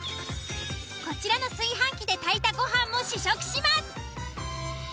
こちらの炊飯器で炊いたご飯も試食します。